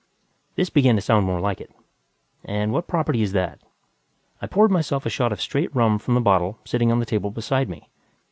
This began to sound more like it. "And what property is that?" I poured myself a shot of straight rum from the bottle sitting on the table beside me.